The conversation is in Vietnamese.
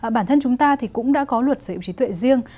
bản thân chúng ta thì cũng đã có luật sở hữu trí tuệ riêng